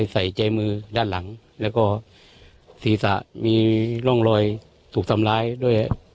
ใจมือด้านหลังแล้วก็ศีรษะมีร่องรอยถูกทำร้ายด้วย